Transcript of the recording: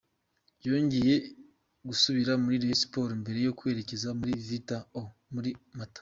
Yongeye gusubira muri Rayon Sports mbere yo kwerekeza muri Vital’O muri Mata.